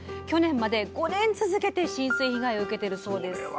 去年まで５年続けて浸水被害を受けてるそうです